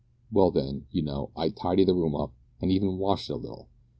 Well, then, you know, I'd tidy the room up, and even wash it a little.